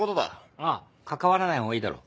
ああ関わらない方がいいだろう。